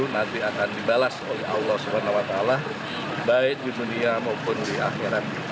nanti akan dibalas oleh allah swt baik di dunia maupun di akhirat